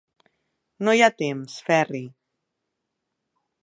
No hi ha temps, Ferri.